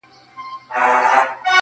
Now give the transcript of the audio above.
ماته له عمرونو د قسمت پیاله نسکوره سي!